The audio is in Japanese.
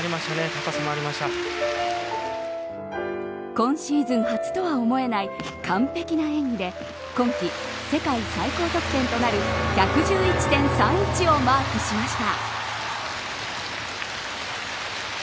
今シーズン初とは思えない完璧な演技で今季世界最高得点となる１１１．３１をマークしました。